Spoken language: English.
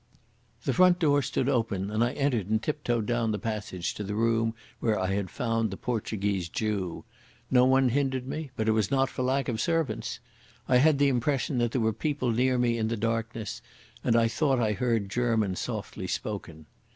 The front door stood open and I entered and tiptoed down the passage to the room where I had found the Portuguese Jew. No one hindered me, but it was not for lack of servants. I had the impression that there were people near me in the darkness, and I thought I heard German softly spoken.